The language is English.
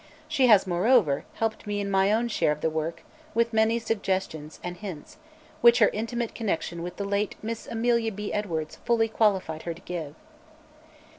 She has, moreover, helped me in my own share of the work with many suggestions and hints, which her intimate connection with the late Miss Amelia B. Edwards fully qualified her to give.